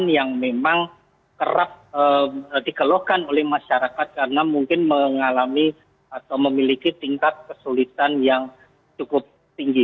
yang memang kerap dikeluhkan oleh masyarakat karena mungkin mengalami atau memiliki tingkat kesulitan yang cukup tinggi